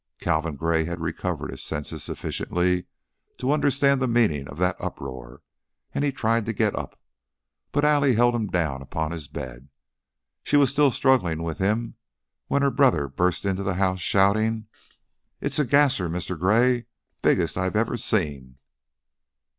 Calvin Gray had recovered his senses sufficiently to understand the meaning of that uproar, and he tried to get up, but Allie held him down upon his bed. She was still struggling with him when her brother burst into the house, shouting: "It's a gasser, Mr. Gray! Biggest I ever seen."